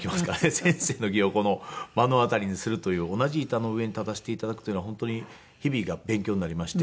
先生の伎を目の当たりにするという同じ板の上に立たせて頂くというのは本当に日々が勉強になりまして。